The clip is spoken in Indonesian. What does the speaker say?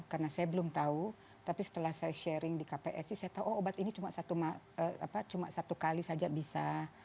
karena saya belum tahu tapi setelah saya sharing di kpsi saya tahu obat ini cuma satu kali saja bisa